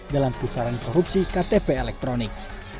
dalam pusaran korupsi ktp elektronik